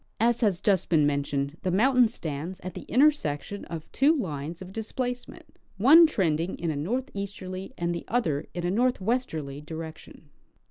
As has just been mentioned, the mountain stands at the intersection of two lines of displacement, one trending in a northeasterly and the other in a northwesterly direction.